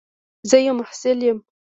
زه یو محصل یم.